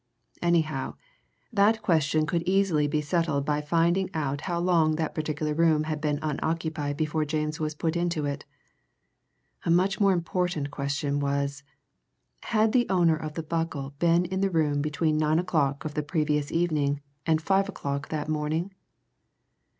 Anyhow, that question could easily be settled by finding out how long that particular room had been unoccupied before James was put into it. A much more important question was had the owner of the buckle been in the room between nine o'clock of the previous evening and five o'clock that morning?